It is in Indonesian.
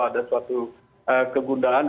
ada suatu kegundaan